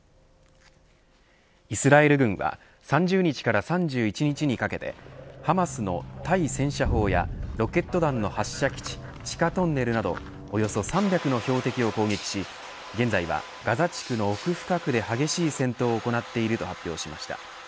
イスラエル軍は３０日から３１日にかけてハマスの対戦車砲やロケット弾の発射基地地下トンネルなどおよそ３００の標的を攻撃し現在はガザ地区の奥深くで激しい戦闘を行っていると発表しました。